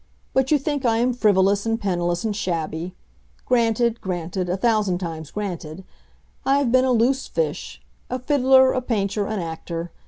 But you think I am frivolous and penniless and shabby! Granted—granted—a thousand times granted. I have been a loose fish—a fiddler, a painter, an actor.